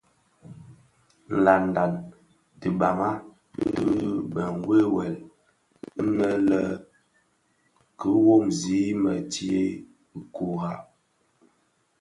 Nlanlan tibaňa ti bë wewel inoli ki womzi më ntsee kurak.